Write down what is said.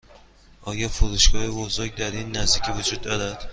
آیا فروشگاه بزرگ در این نزدیکی وجود دارد؟